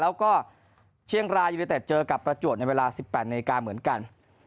แล้วก็เชียงรายยูเนเต็ดเจอกับประจวบในเวลา๑๘นาฬิกาเหมือนกัน